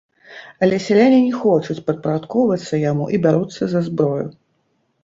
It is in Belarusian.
Але сяляне не хочуць падпарадкоўвацца яму і бяруцца за зброю.